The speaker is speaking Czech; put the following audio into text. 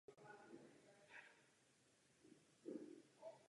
A co je středomořská strava?